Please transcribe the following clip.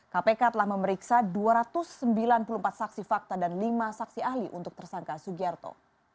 kpk telah memeriksa dua ratus sembilan puluh empat saksi fakta dan lima saksi ahli untuk tersangka sugiarto